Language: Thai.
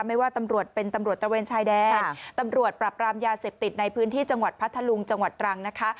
ไม่ว่าตำรวจเป็นตำรวจตะเวนชายแดนตำรวจปรับรามยาเสพติดในพื้นที่จังหวัดพัทธลุงจังหวัดตรังนะคะ